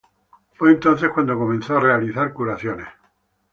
Fue entonces cuando comenzó a realizar curaciones.